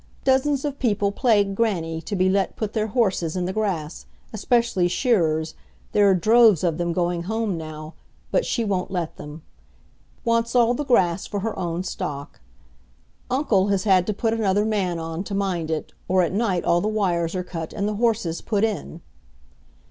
Dozens of people plague grannie to be let put their horses in the grass especially shearers, there are droves of them going home now but she won't let them; wants all the grass for her own stock. Uncle has had to put another man on to mind it, or at night all the wires are cut and the horses put in.